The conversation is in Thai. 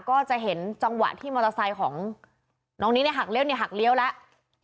ก็จะเห็นจังหวะที่มอเตอร์ไซค์ของน้องนิดเนี่ยหักเลี้ยเนี่ยหักเลี้ยวแล้ว